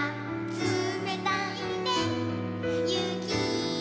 「つめたいねゆきのこ」